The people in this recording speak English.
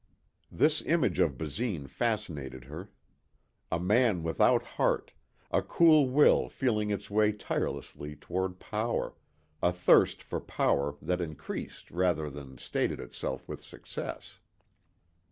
This image of Basine fascinated her. A man without heart, a cool will feeling its way tirelessly toward power, a thirst for power that increased rather than stated itself with success.